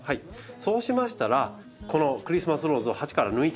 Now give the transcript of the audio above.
そうしましたらこのクリスマスローズを鉢から抜いて。